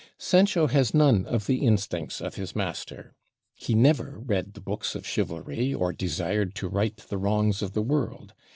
Sancho has none of the instincts of his master. He never read the books of chivalry or desired to right the wrongs of the world.